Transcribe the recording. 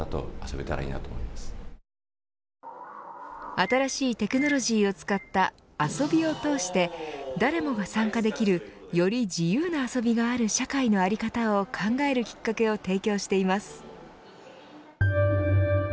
新しいテクノロジーを使った遊びを通して誰もが参加できるより自由な遊びがある社会の在り方を考えるきっかけを提供しています。